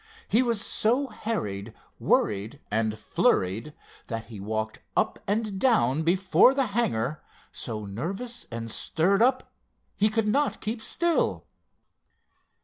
He was so harried, worried and flurried that he walked up and down before the hangar, so nervous and stirred up he could not keep still.